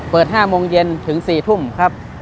เปิด๕โมงเย็นถึง๔ทุ่มครับ